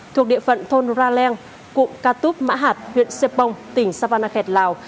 thuộc địa phận thôn ra leng cụm katup mã hạt huyện xepong tỉnh savannakhet lào